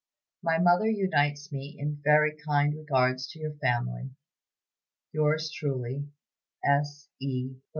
My mother unites with me in very kind regards to your family. "Yours truly, "S. E.